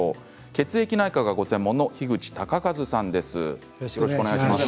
血液内科がご専門の樋口敬和さんです。